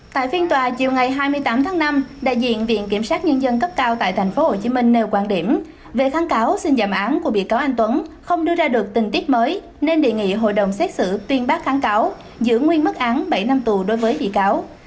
tại phiên tòa chiều ngày hai mươi tám tháng năm đại diện viện kiểm sát nhân dân cấp cao tại tp hcm nêu quan điểm về kháng cáo xin giảm án của bị cáo anh tuấn không đưa ra được tình tiết mới nên đề nghị hội đồng xét xử tuyên bác kháng cáo giữ nguyên mức án bảy năm tù đối với bị cáo